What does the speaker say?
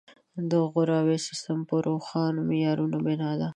د غوراوي سیستم په روښانو معیارونو بنا وي.